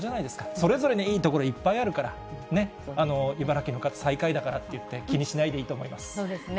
それぞれにいい所いっぱいあるから、ねっ、茨城の方、最下位だからっていって、気にしないでいいそうですね。